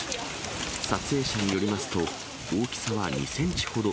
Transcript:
撮影者によりますと、大きさは２センチほど。